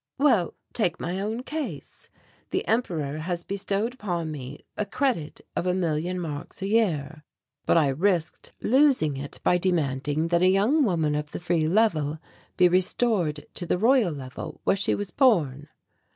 "Well, take my own case. The Emperor has bestowed upon me a credit of a million marks a year. But I risked losing it by demanding that a young woman of the Free Level be restored to the Royal Level where she was born."